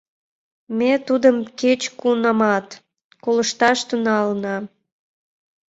— Ме тудым кеч-кунамат колышташ тӱҥалына!